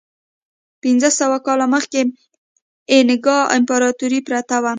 پنځه سوه کاله مخکې اینکا امپراتورۍ پرته وه.